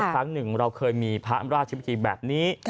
ครั้งหนึ่งเราเคยมีพระราชพิธีแบบนี้